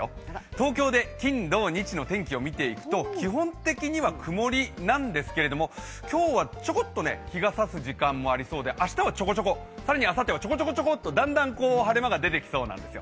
東京で金土日の天気を見ていくと基本的には曇りなんですけども、今日はちょこっと日が差す時間もありそうで、明日はちょこちょこ更にあさっては、ちょこちょこちょこっと、だんだん晴れ間が出てきそうなんですよ。